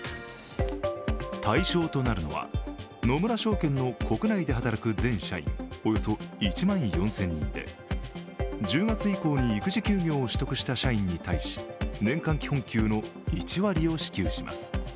対象となるのは、野村證券の国内で働く全社員およそ１万４０００人で１０月以降に育児休業を取得した社員に対し年間基本給の１割を支給します。